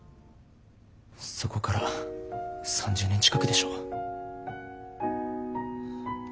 そこから３０年近くでしょ？